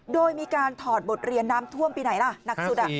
โดยมีการถอดบทเรียนน้ำท่วมปีไหนล่ะหนักสุด